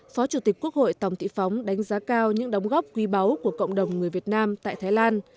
phó chủ tịch quốc hội tòng thị phóng đánh giá cao những đóng góp quý báu của cộng đồng người việt nam tại thái lan